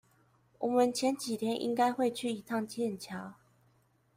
我們前幾天應該會去一趟劍橋